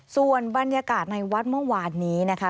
ส่วนบรรยากาศในวัดเมื่อวานนี้นะคะ